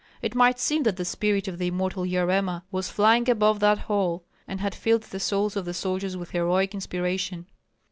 It might seem that the spirit of the immortal "Yarema" was flying above that hall, and had filled the souls of the soldiers with heroic inspiration.